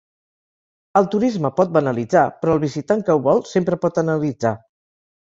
El turisme pot banalitzar, però el visitant que ho vol, sempre pot analitzar.